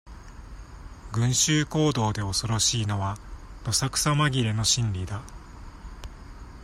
群衆行動で恐ろしいのは、どさくさまぎれの心理だ。